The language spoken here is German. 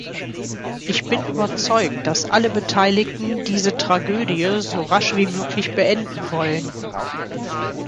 Ich bin überzeugt, dass alle Beteiligten diese Tragödie so rasch wie möglich beenden wollen.